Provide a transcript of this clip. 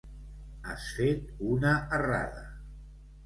Has fet una errada.